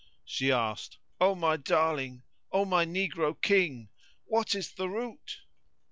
She asked, "O my darling! O my negroling! what is the root?"